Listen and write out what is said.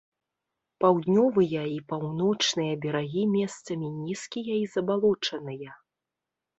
Паўднёвыя і паўночныя берагі месцамі нізкія і забалочаныя.